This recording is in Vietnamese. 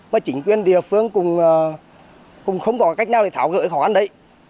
và chính quyền địa phương cũng không có cách nào để thảo gợi khó khăn đấy